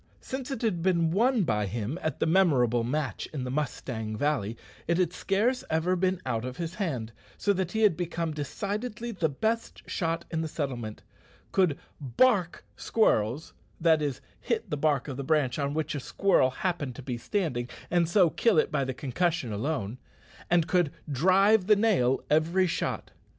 Since it had been won by him at the memorable match in the Mustang Valley, it had scarce ever been out of his hand, so that he had become decidedly the best shot in the settlement, could "bark" squirrels (that is, hit the bark of the branch on which a squirrel happened to be standing, and so kill it by the concussion alone), and could "drive the nail" every shot.